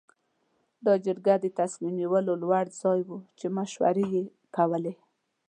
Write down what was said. دا جرګه د تصمیم نیولو لوړ ځای و چې مشورې یې کولې.